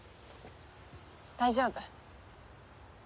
大丈夫？